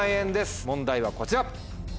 問題はこちら。